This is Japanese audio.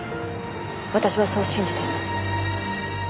私はそう信じています。